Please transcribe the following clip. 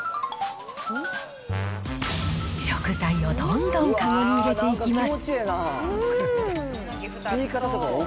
食材をどんどん籠に入れていきます。